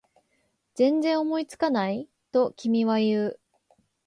全然思いつかない？と君は言う